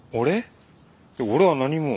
俺は何も。